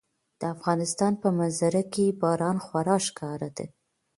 د افغانستان په منظره کې باران خورا ښکاره دی.